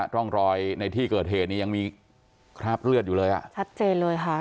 ร่องรอยในที่เกิดเหตุนี้ยังมีคราบเลือดอยู่เลยอ่ะชัดเจนเลยค่ะ